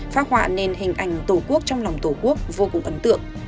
phát họa nền hình ảnh tổ quốc trong lòng tổ quốc vô cùng ấn tượng